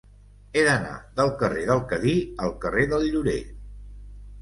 He d'anar del carrer del Cadí al carrer del Llorer.